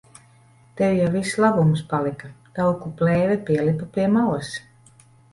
Tev jau viss labums palika. Tauku plēve pielipa pie malas.